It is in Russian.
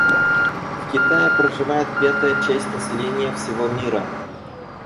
В Китае проживает пятая часть населения всего мира.